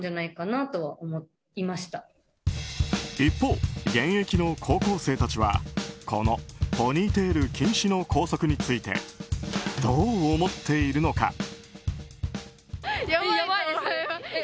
一方、現役の高校生たちはこのポニーテール禁止の校則についてどう思っているのか？